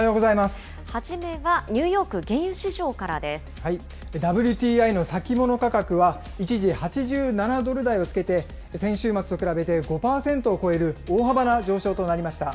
初めは、ニューヨーク原油市ＷＴＩの先物価格は一時８７ドル台をつけて、先週末と比べて５％を超える大幅な上昇となりました。